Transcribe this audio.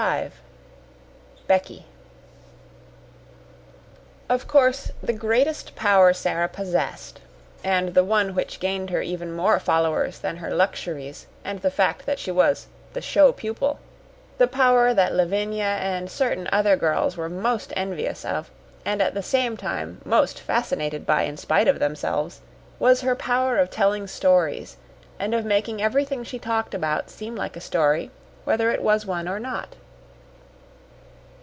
5 Becky Of course the greatest power Sara possessed and the one which gained her even more followers than her luxuries and the fact that she was "the show pupil," the power that Lavinia and certain other girls were most envious of, and at the same time most fascinated by in spite of themselves, was her power of telling stories and of making everything she talked about seem like a story, whether it was one or not.